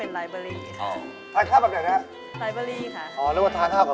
เอาล่ะพี่บอลนี่คืออะไรคะ